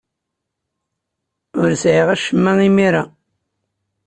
Ur sriɣ acemma imir-a.